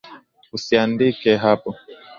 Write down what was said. Usiiandike hapo